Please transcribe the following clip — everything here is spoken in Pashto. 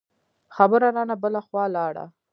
خبره رانه بله خوا لاړه.